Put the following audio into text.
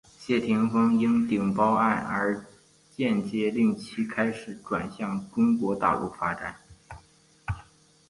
谢霆锋因顶包案而间接令其开始转往中国大陆发展。